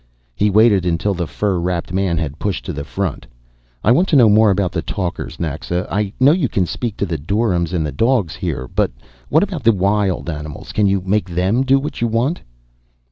He waited until the fur wrapped man had pushed to the front. "I want to know more about the talkers, Naxa. I know you can speak to doryms and the dogs here but what about the wild animals? Can you make them do what you want?"